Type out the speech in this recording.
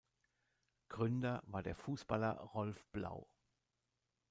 Gründer war der Fußballer Rolf Blau.